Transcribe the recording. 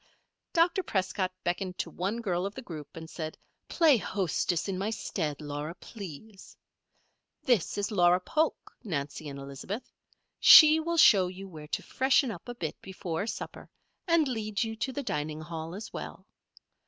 Dr. Prescott beckoned to one girl of the group, and said: "Play hostess in my stead, Laura, please. This is Laura Polk, Nancy and Elizabeth. She will show you where to freshen up a bit before supper, and lead you to the dining hall, as well.